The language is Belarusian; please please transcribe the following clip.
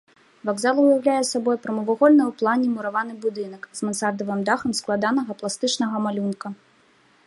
Вакзал уяўляе сабой прамавугольны ў плане мураваны будынак з мансардавым дахам складанага пластычнага малюнка.